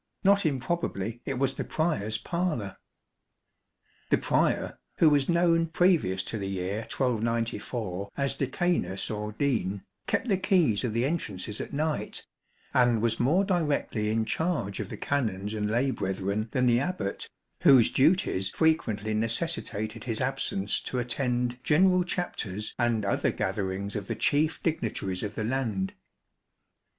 Not improbably it was the Prior's parlour. The Prior, who was known previous to the year 1294 as Decanus or Dean, kept the keys of the entrances at night, and was more directly in charge of the Canons and lay brethren than the Abbat, whose duties frequently necessitated his absence to attend General Chapters and other gatherings of the chief dignitaries of the land.